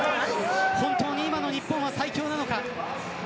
本当に今の日本は最強なのか。